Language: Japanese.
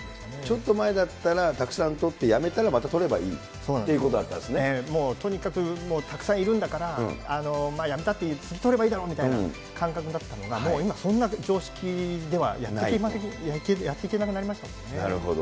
ちょっと前だったらたくさんとって辞めたらまたとればいいともう、とにかく、たくさんいるんだから辞めたって次とればいいだろみたいな感覚だったのが、もう今はそんな常識ではやっていけなくなりましたもんなるほど。